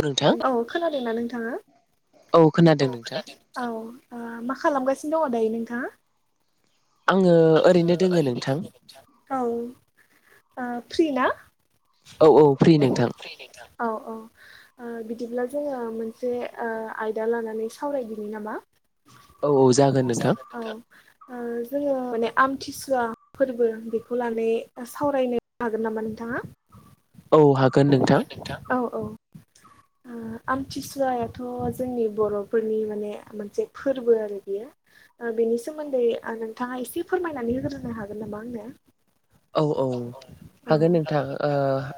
नोंथां औ खोनादों ना नोंथाङा औ खोनादों औ नोंथां खोनादों औ मा खालामगासिनो दङ दायो नोंथाङा? आङो ओरैनो दङ दे नोंथां औ औ फ्रि नोंथां । औ औ ओ बिदिब्ला जोङो मोनसे आयदा लानानै सावरायदिनि नामा । औ ओ जोङो माने आमथिसुवा फोरबो बेखौ लानानै सावरायनो हागोन नामा नोंथाङा । औ हागोन नोंथां । [inaudible] ओ आमथिसुवायाथ' जोंनि बर'फोरनि माने मोनसे फोरबो आरो बियो । ओ बेनि सोमोन्दै आ नोंथाङा एसे फोरमायनानै होग्रोनो हागोन नामा आंनो? औ औ हागोन औ नोंथां ओ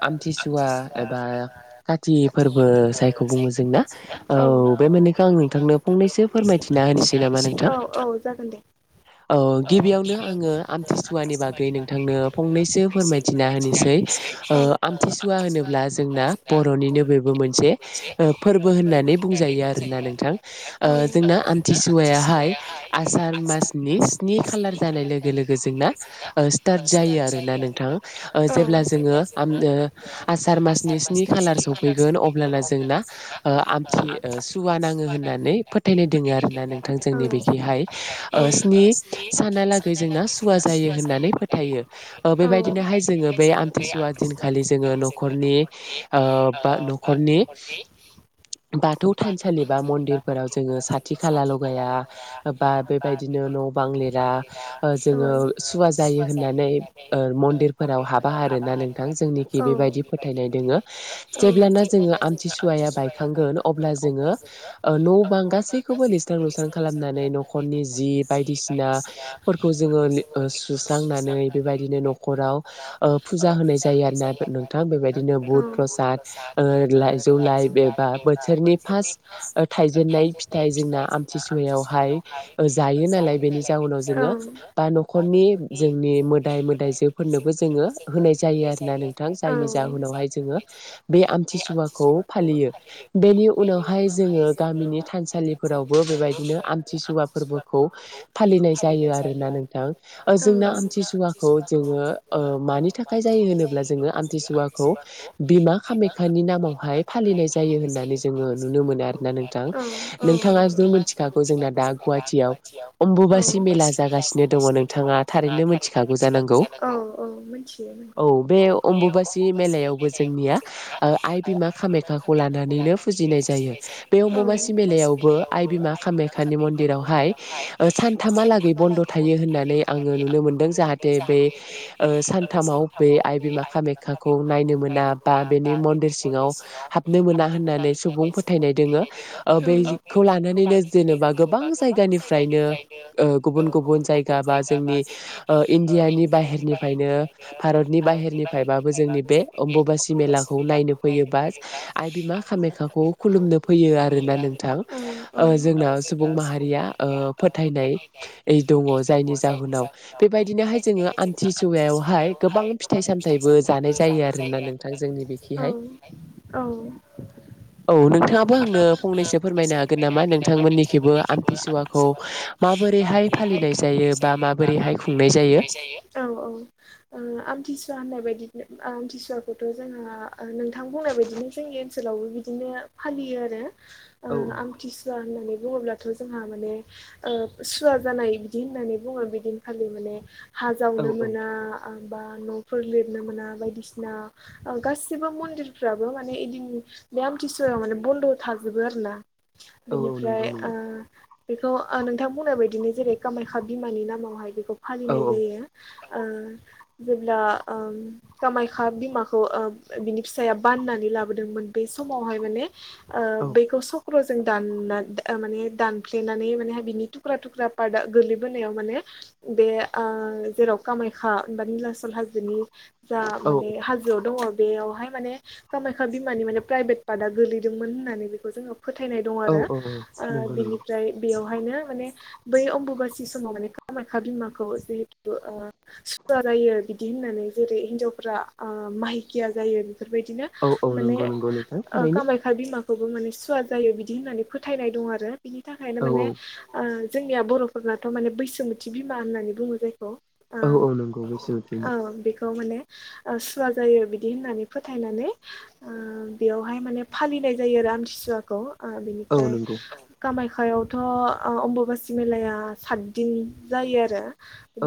आमथिसुवा एबा काथि फोरबो जायखौ बुंङो औ औ औ नोंथांनो फंनैसो फोरमायथिना होनोसै नामा नोंथां औ जागोन दे औ गिबियावनो आङो आमथिसुवानि बागै नों थांनो फंनैसो फोरमायथिना होनोसै औ आमथिसुवा होनोब्ला जोंना बर'नि नो बेबो मोनसे फोरबो होननानै बुंजायो आरो ना नोंथां ओ जोंना आमथिसुआ हाय आसार मासनि स्नि खालार जानाय लोगो लोगो जोंना स्टार्ट जायो आरो ना नोंथां ओ जेब्ला जोङो आम-आसार मासनि स्नि खालार सौ फैगोन अब्लाना जोंना ओ जोंना आमथि सुवा नाङो होननानै फोथायनाय दङ आरोना थां जोंनि बेखौहाय ओ स्नि सानालागै जोंना सुवा जायो होननानै फो थायो ओ बेबायदिनोहाय जोङो बे आमथिसुवा दिनखालि जोङो न'खरनि ओ बा न'खरनि बाथौ थानसालि बा मन्दिरफोराव जोङो साथि खाला लगाया बा बेबायदिनो न' बां लिरा । औ होननानै ओ मन्दिरफोराव हाबा आरोना नोंथां जोंनिखि बेबायदि फोथायनाय दोङो । जेब्लाना जोङो आमथिसुवाया बायखांगोन अब्ला जोङो ओ न' बां गासैखौबो लिबस्रां लुस्रां खालामनानै न'खरनि जि बायदिसिना फोरखौ जोङो सुखांनानै बेबायदिनो नख'राव ओ फुजा होनाय जायो आरोना नोंथां बेबायदिनो बुद फ्रसाद ओ लाइजौ लाइ एबा बोथोरनि फार्स्ट थाइजेननाय फिथाइ जों ना आमथिसुवायावहाय जायो नालाय बेनि जाउनाव जोङो बा न'खरनि जोंनि मोदाय मोदायजोफोरनोबो जोङो होनाय जायो आरोना नोंथां जायनि जाहोनावहाय जोङो बे आमथिसखौ फालियो बेनि उनावहाय जोङो [unintelligible] बेबायदिनो आमथिसुवा फोरबोखौ फालिनाय जायो आरोना नोंथां । ओ जोंना आमथिसुवाखौ ओ जोङो मानि थाखाय जायो होनोब्ला जोङो आमथिसुवाखौ बिमा खामाख्यानि नामावहाय फालिनाय जायो होननानै जोङो नुनो मोनो आरोना नोंथां । नोंथाङा जुदि मिथिखागौ जोंना दा गुवाहाटियाव अम्बुबासि मेला जागासिनो दङों नोंथाङा थारैनो मिथिखागौ जानांगौ औ औ मिथियो औ बे अम्बुबासि खौ जोंनिया ओ आइ बिमा खामेयाखौ लानानैनो फुजिनाय जायो बे अमबबासि मेल यावबो आइ बिमा खामायखानि मन्दिरावहाय ओ सानथामालागै बन्द' थायो होननानै आङो नुनो मोनदों जाहाथे बे ओ सानथामाव बे आइ बिमा कामाख्याखौ नायनो मोना दा बा बेनि मन्दिर सिङाव हाबनो मोना होननानै सुबुं फोथायनाय दङ [unintelligible] ओ बेखौ लानानै जेनेबा गोबां जायगानिफ्रायनो ओ गुबुन गुबुन जायगा बा नि ओ इण्डियानि बाहेरनिफायनो भारनि बाहेरनिफायबाबो बेनि जोंनि बे अबासि मेलाखौ नायनो फैयोबा आइ बिमा खामेख्याखौ खुलुमनो फैयो आरोना नोंथां ओ जोंना [unintelligible] यै दङ जायनि उनाव बेबायदिनोहाय जोङो आमथिसुवायावहाय गोबां फिथाइ सामथायाइबो जानाय जायो आरो ना [unintelligible] औ नोंथाङाबो आंनो औ नोंथाङाबो फंनैसो आंनो फोरमायनो फंनैसो फोरमायनो हागोन नामा नोंथांमोननिखिबो नोंथांमोननिखायबो आमथिसुवाखौ आमसिसुवाखौ माबोरैहाय फालिनाय जायो? [unintelligible] बा माबोरैहाय खुंनाय जायो? आमथिसुवाखौथ' जोंहा नोंथां बुंनाय बायदिनो जोंनि ओनसोलावबो बिदिनो फालियो आरो ओ औ आमथिसुवा होननानै बुङोब्लाथ' जोंहा माने ओ सुवा जानाय बिदि होननानै बुङो बिदिनखालि माने हा औ जावनो औ मोना बा न'फोर लिरनो मोना बायदिसिना गासिबो मन्दिरफ्राबो माने इदिन बे आमथिसुवायाव माने बन्द' थाजोबो आरोना औ औ बेनिफ्राय नंगौ ओ नंगौ बेखौ नोंथां बुंनाय बायदिनो जेरै कामाख्या बिमानि नामावहाय बेखौ औ फालिनाय औ जायो ओ जेब्ला ओ कामाख्या बिमाखौ ओ बिनि फिसाया बाननानै लादोंमोन बे समावहाय माने बेखौ सक्र'जों दान माने दानफ्लेनानै माने बिनि थुख्रा थुख्रा पार्ट आ गोलैबोन माने बे जेराव कामाख्या निलाचल हाजोनि जा औ माने हाजोआव दङ बेयावहाय माने कामाख्या बिमानि माने प्राइभेट पार्टा गोलैदोंमोन होननानै बेखौ जोङो फोथायनाय दं औ आरो औ ओ नंगौ नंगौ बिनिफ्राय बेयाव माने बै अम्बाबासि समाव माने कामाख्या बिमाखौ जिहेथु ओ सुवा जायो बिदि होननानै जेरै हिनजावफ्रा ओ माहिकिया जायो बेफोरबायदिनो औ औ माने नंगौ नंगौ नोंथां ओ थारैनो कामाख्या बिमा खौबो माने सुवा जायो बिदि होननानै फोथायनाय दं आरो बिनि थाखायनो औ माने औ ओ जोंनिया बर'फोराथ' माने बैसोमोथि बिमा होननानै बुङो जायखौ ओ औ औ नंगौ बैसोमुथिनि औ बेखौ माने ओ सुवा जायो बिदि होननानै फोथायनानै ओ बेयावहाय माने फालिनाय जायो आरो आमथिसुवाखौ ओ औ बिनिफ्राय नंगौ कामाख्या आव थ' अम्बाबासि मेलाया सातदिन जायो आरो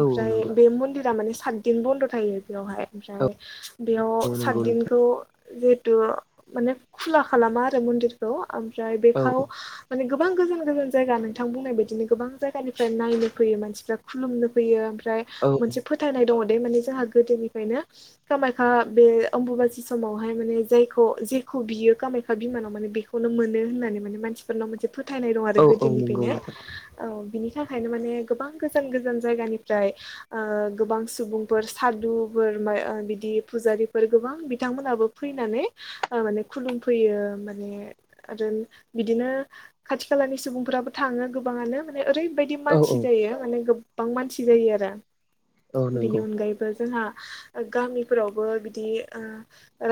औ औ नंगौ बे मन्दिरा माने सातदिन बन्द' थायो बेवहाय औ ओमफ्राय बेयाव औ नंगौ नोंथां सातदिनखौ जिहेथु माने खुला खालामा आरो मन्दिरखौ ओमफ्राय औ बेखौ माने गोबां गोजान गोजान जायगा नोंथां बुंनाय बायदिनो गोबां जायगानिफ्राय नायनो फैयो मानसिफ्रा खुलुमनो फैयो ओमफ्राय औ मोनसे फोथायनाय दङ माने जाहा गोदोनिफ्रायनो कामाख्या बे आमबा बासि समावहाय माने जायखौ जे खौ बियो कामाख्या बिमानाव माने बेखौनो मोनो होननानै माने मानसिफोरनाव मोनसे फोथायनाय दं आरो औ औ नंगौ गोदोनिफ्रायनो नोंथां औ बिनि थाखायनो माने गोबां गोजान गोजान जायगानिफ्राय ओ गोबां सुबुंफोर सादु फोर मा ओ बिदि फुजारिफोर गोबां बिथांमोनहाबो फैनानै ओ माने खुलुमफैयो माने आरो बिदिनो खाथि खालानि सुबुं फोराबो थाङो गोबाङानो माने ओरैबायदि औ मानसि औ जायो माने गोबां मानसि जायो आरो औ बेनि नंगौ अनगायैबो जोंहा गामिफोरावबो बिदि ओ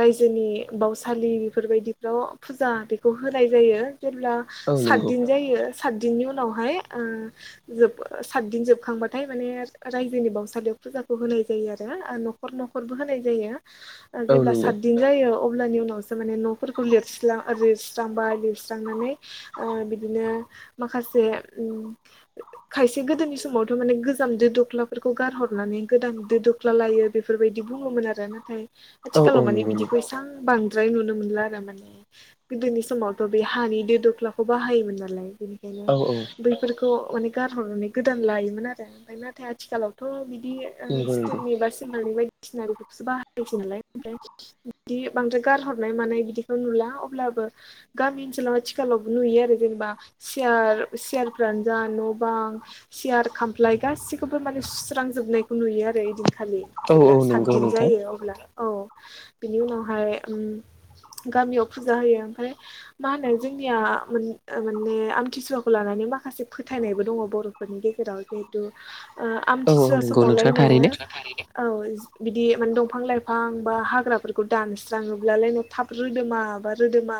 रायजोनि बावसालि बेफोरबायदिफ्राव फुजा बेखौ होनाय जायो जेब्ला औ नंगौ सातदिन जायो सातदिननि उनावहाय ओ जोब सातदिन जोबखांबाथाय माने रायजोनि बावउसालियाव फुजाखौ होनाय जायो आरो न'खर न'खरबो होनाय जायो ओ औ जेब्ला नंगौ सातदिन जायो अ अब्लानि उनावसो माने न'फोरखौ लिरस्ला लिरस्रांबाय, लिरस्रांनानै ओ बिदिनो माखासे उम खायसे गोदोनि समावथ' माने गोजाम दो दख्लाफोरखौ गारहरना नै गोदान दो दख्ला लायो बेफोरबायदि बुङोमोन आरो नाथाय औ औ आथिखालाव माने नंगौ नंगौ बिदिखौ एसां बां द्राय नुनो मोनला आरो माने। गोदोनि समावथ' बे हानि दो दख्लाखौ बाहायोमोन नालाय बि बेखायनो औ औ बैफोरखौ माने गारहरनानै गोदान लायोमोन आरो ओमफ्राय नाथाय आथिखालावथ' बि दि ओ नंगौ नंगौ स्टिलनि बा सिलभारनि बाय सिना बेफोरखौसो बाहायसै नालाय ओमफ्राय बिदि बांद्राय गारहरनाय मानाय बिदिखौ नुला। अब्ला बो गामि ओनसोलाव आथिखालावबो नुयो आरो जेनेबा सियार सियारफ्रानो जा न' बां सियार खामफ्लाय गासिखौबो माने सुस्रां जो जोबनायखौ नुयो आरो ओइदिनखालि औ औ जेब्ला नंगौ सातदिन नोंथां जायो अब्ला। औ बिनि उनावहाय उम गामियाव फुजा होयो ओमफाय मा होनो जोंनिया मोन माने ने आमथिसुवाखौ लानानै माखासे फोथायनायबो दङ बर'फोरनि गेजेराव। जिहेतु ओ औ औ आमथिसुवा नंगौ नोंथां समावलायनो थारैनो औ बिदि माने दंफां लाइफां बा हाग्राफोरखौ दानस्राङोब्लालाय नो थाब रोदोमा माबा रोदोमा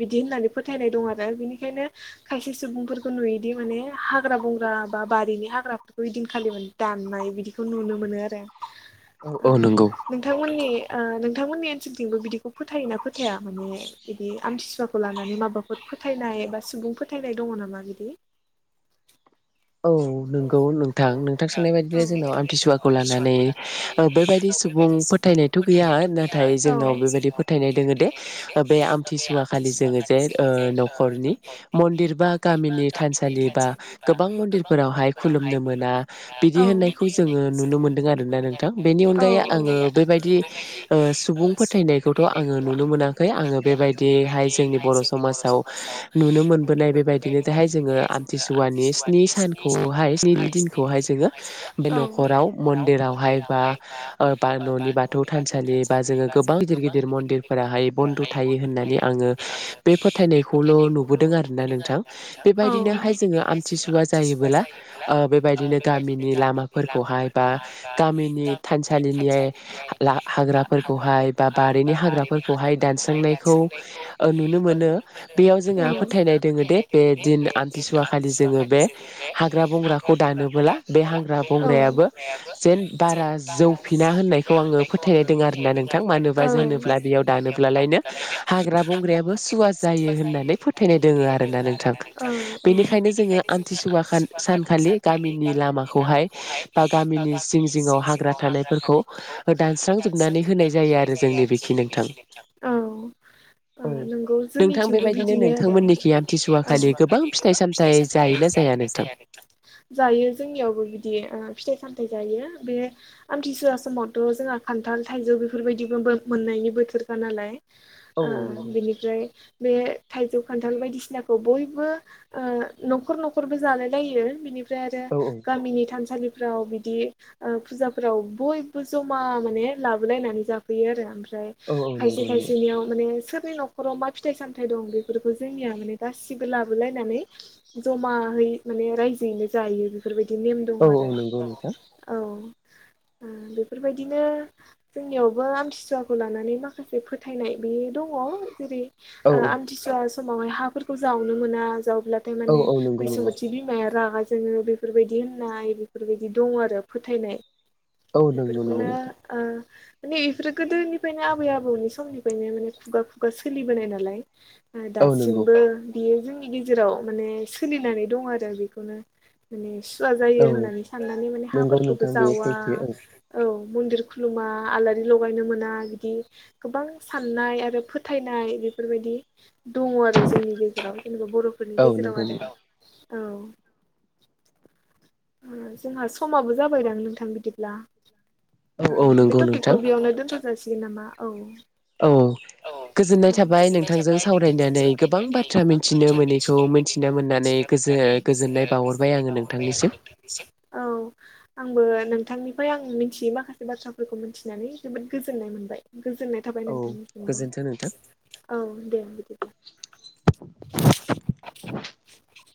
बिदि होननानै फोथायनाय दं आरो बिनिखायनो खायसे सुबुंफोरखौ नुयोदि माने हाग्रा बंग्रा बा बारिनि हाग्राफोरखौ ओइदिनखालि माने दा नाय बिदिखौ नुनो मोनो आरो। औ ओ औ नंगौ नोंथांमोननि ओ नोंथांमोननि ओनसोलथिंबो बिदिखौ फोथायोना फोथाया माने बिदि आमतसुवाखौ लानानै माबाफोर फोथायनाय बा सुबुं फोथायनाय दङ नामा बिदि? औ नोंगौ नोंथां। नोंथां सोंनाय बादिनो जोंनाव आमथिसुवाखौ लानानै ओ बेबायदि सु बुं फोथायनायथ' गैया। नाथाय जोंनाव बेबायदि फोथायनाय दोङो दे जोंनिफोरावहाय बे आमथिसुवा खालि जोङो जे ओ नख'रनि मन्दिर बा गामिनि थानसालि बा गोबां बां मन्दिरफोरा हाय खुलुमनो मोना बिदि होननायखौ जोङो नुनो मोनदों आरोना नोंथां। बेनि अनगायै आङो बेबायदि ओ सुबुं फोथायनायखौथ' आङो नुनो मोनाखै आङो बेबायदिहाय जोंनि बर' समाजाव नुनो मोनबोनाय बेबायदिनो दाय जोङो आमथिसुवानि स्नि खौहाय स्नि दिनखौहाय जोङो बे नख'राव मन्दिरावहाय बा ओ बा न'नि बाथौ थानसालि बा जोङो गोबां गिदिर गिदिर मन्दिरफोराहाय बन्द थायो होननानै आङो बे फोथायनायखौल' नुबोदों आरोना नोंथां। बेबायदिनोहाय जोङो आमथिसुवा जायोबोला ओ बेबायदिनो गामिनि लामाफोरखौहाय बा गामिनि थानसालि नि हाग्राफोरखौहाय बा बारिनि हाग्राफोरखौहाय दानस्रांनायखौ ओ नुनो मोनो बेयाव जोंहा फोथायनाय दोङो दे बे दिन आमथिसुवा खालि जोङो बे हाग्रा बंग्राराखौ दानबोला बे हाग्रा बंग्रायाबो जेन बारा जौ फिना होननायखौ आङो फोथायनायदों आरोना नोंथां। मानोबा जो होनोब्ला बेयाव दानोब्लालायनो हाग्रा बंग्रायाबो सुवा जायोनानै फोथायनाय दोङो आरोना नोंथां। नोंथां। बेनिखायनो जोङो आमथिसुवा खान सानखालि गामिनि लामाखौहाय बा गामिनि जिं जिङाव हाग्रा था औ। होनाय जायो आरो ओ जोंनि बेखि नोंथां नोंगौ औ जोंनिथिंबो नोंथां बेबायदिनो बिदिनो नोंथांमोननिखि आमथिसुवा आरो खालि गोबां फिथाइ सामथाइ औ। जायोना जाया नोंथां? जायो जोंनियावबो बिदि ओ फिथाइ सामथाइ जायो। बे आमथिसुवा समावथ' जोंहा खान्थाल थाइजौ बेफोरबायदिबोबो मोननाय बिनि बोथोरखा नालाय। औ ओ नंगौ बिनिफ्राय बे थाइजौ खान्थाल बायदिसिनाखौ बयबो ओ नख'र नख'रबो जालाय लायो। बिनि फ्राय आरो औ गामिनि थानसालि फ्राव, बिदि फुजाफोराव बयबो जमा माने लाबोलायनानै जाफैयो आरो ओमफ्राय ओमफ्राय औ औ खायसे नंगौ नंगौ खायसेनियाव माने सोर नि नख'राव मा फिथाइ सामथाइ दं बेफोरखौ जोंनिया माने गासिबो लाबोलायनानै जमाहै माने रायजोयैनो जायो बेफोरबायदि नेम दङ औ औ आरो नंगौ नोंथां औ। बेफोरबायदिनो जोंनियावबो आमथिसुवाखौ लानानै माखासे फोथायनाय बेयो दङ जेरै औ ओ आमथिसुवा समावहाय हाफोरखौ जावनो मोना जावब्ला औ माने औ नंगौ नंगौ बैसम'थि बिमाया रागा जोङो बेफोरबायदि होननाय बेफोरबायदि दं आरो फोथायनाय औ नंगौ नंगौ बेफोरखौनो नोंथां ओ माने बेफोरो गोदोनिफ्रायनो आबै आबौनि समनिफ्रायनो माने खुगा खुगा सोलिबोनाय नालाय औ नंगौ दासिमबो बेयो जोंनि गेजेराव माने सोलिनानै दं आरो बेखौनो माने सुवा जायो औ होननानै साननानै माने नंगौ हाफोरखौबो नोंथां बेयो जावा सैथो औ औ मन्दिर खुलुमा आलारि लगायनो मोना बिदि गोबां साननाय आरो फोथायनाय बेफोरबायदि दङ आरो जोंनि गेजेराव जेनबा बर'फोरनि औ गेजेराव नंगौ नंगौ आरो औ जोंहा समाबो जाबायदां नोंथां बिदिब्ला औ ओ औ बे नंगौ टपिकखौ नोंथां बेयावनो दोनथ' जासिगोन नामा औ औ गोजोननाय औ थाबाय नोंथांजों सावरायनानै गोबां बाथ्रा मिथिनो मोनैखौ मिन्थिनो मोननानै गोजो नानै बावहरबाय गोजोननाय आङो बहरबाय आं नोंथांनिसिम नोंथांनिसिम औ आंबो नोंथांनिफ्राय आं मिथियै माखासे बाथ्राफोरखौ मिथिनानै जोबोद गोजोन नाय मोनबाय गोजोननाय थाबाय औ नोंथांनिसिमबो गोजोन्थों नोंथां। औ दे बिदिब्ला [unintelligible]